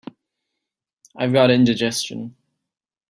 I've got indigestion.